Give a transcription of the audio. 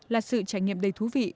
là sự trải nghiệm đầy thú vị